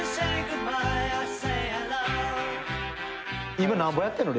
今なんぼやってんの？